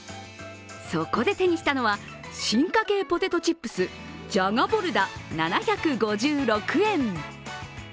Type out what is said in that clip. そこで手にしたのは、進化系ポテトチップス、じゃがボルダ、７５６円。